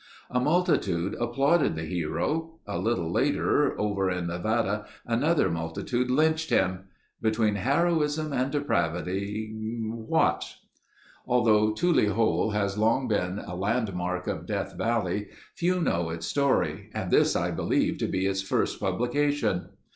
A multitude applauded the hero. A little later over in Nevada another multitude lynched him. Between heroism and depravity—what? Although Tule Hole has long been a landmark of Death Valley, few know its story and this I believe to be its first publication.